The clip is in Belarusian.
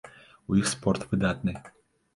У іх спорт выдатны.